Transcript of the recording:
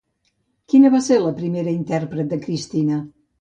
Qui va ser la primera intèrpret de Cristina?